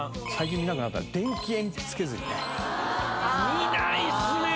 見ないっすね。